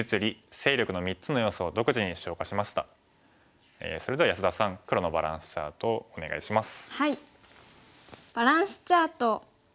講座ではそれでは安田さん黒のバランスチャートをお願いします。